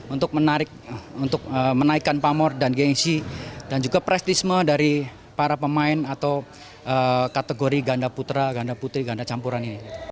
untuk menarik untuk menaikkan pamor dan gengsi dan juga prestisme dari para pemain atau kategori ganda putra ganda putri ganda campuran ini